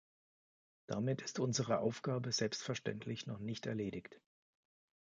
Damit ist unsere Aufgabe selbstverständlich noch nicht erledigt.